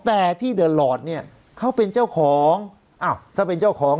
แต่ที่เดือดหลอดเนี่ยเขาเป็นเจ้าของอ้าวถ้าเป็นเจ้าของ